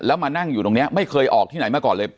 แล้วมานั่งอยู่ตรงนี้ไม่เคยออกที่ไหนมาก่อนเลย